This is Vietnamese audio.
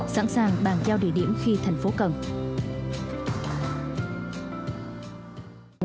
sẵn sàng bàn giao địa điểm khi thành phố cần